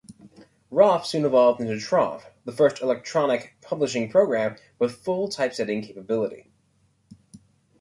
Roff soon evolved into troff, the first electronic publishing program with full typesetting capability.